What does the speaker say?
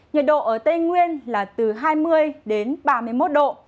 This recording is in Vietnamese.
nhiệt độ ở tây nguyên là từ hai mươi đến ba mươi một độ